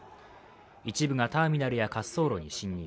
一部がターミナルや滑走路に侵入。